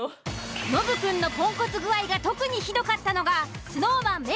ノブくんのポンコツ具合が特にひどかったのがＳｎｏｗＭａｎ目